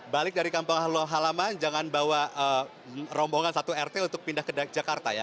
balik dari kampung halaman jangan bawa rombongan satu rt untuk pindah ke jakarta ya